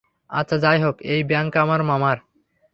আচ্ছা যাইহোক, এই ব্যাংক আমার মামার।